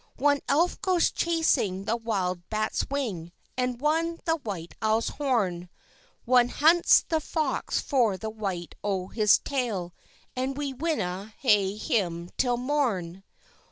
One Elf goes chasing the wild bat's wing And one the white owl's horn; One hunts the fox for the white o' his tail, And we winna hae him till morn.